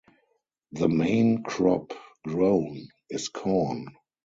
The main crop grown is corn.